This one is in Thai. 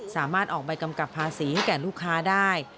สามารถออกใบกำกับภาษีให้แก่ลูกค้าได้